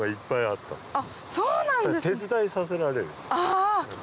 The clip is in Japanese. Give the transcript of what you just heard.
手伝いさせられる。